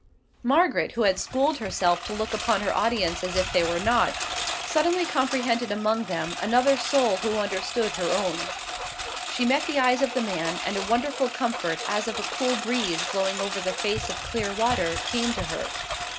Margaret, who had schooled herself to look upon her audience as if they were not, suddenly comprehended among them another soul who understood her own. She met the eyes of the man, and a wonderful comfort, as of a cool breeze blowing over the face of clear water, came to her.